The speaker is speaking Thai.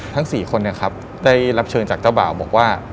๔คนได้รับเชิญจากเจ้าบ่าวบอกว่า